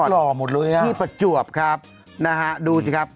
ลูกล่อหมดเลยพี่ปชวบที่ประจวบดูสิครับ